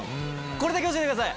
これだけ教えてください。